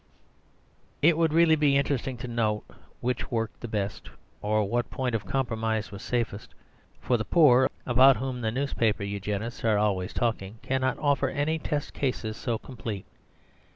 It would really be interesting to note which worked the best, or what point of compromise was safest. For the poor (about whom the newspaper Eugenists are always talking) cannot offer any test cases so complete.